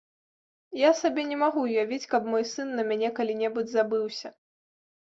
Я сабе не магу ўявіць, каб мой сын на мяне калі-небудзь забыўся.